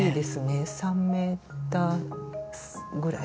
３ｍぐらい。